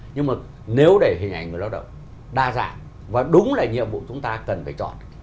nhưng mà nếu để hình ảnh người lao động đa dạng và đúng là nhiệm vụ chúng ta cần phải chọn